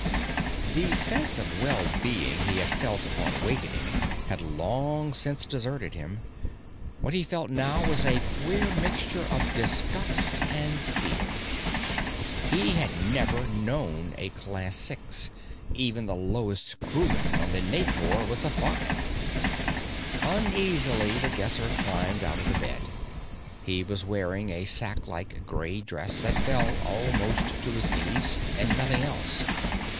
_ The sense of well being he had felt upon awakening had long since deserted him. What he felt now was a queer mixture of disgust and fear. He had never known a Class Six. Even the lowest crewman on the Naipor was a Five. Uneasily, The Guesser climbed out of the bed. He was wearing a sack like gray dress that fell almost to his knees, and nothing else.